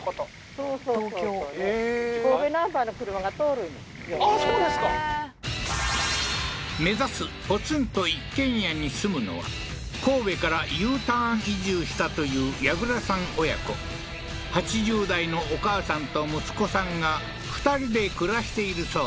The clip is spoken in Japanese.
そうそうそうそうへえーああーそうですか目指すポツンと一軒家に住むのは神戸からＵターン移住したというヤグラさん親子８０代のお母さんと息子さんが２人で暮らしているそう